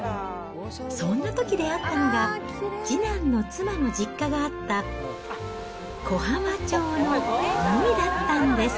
そんなとき、出会ったのが、次男の妻の実家があった、小浜町の海だったんです。